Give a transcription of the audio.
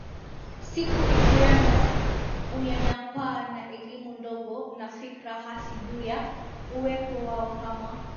siku ikiwemo unyanyapaa na elimu ndogo na fikra hasi juu ya uwepo wao kama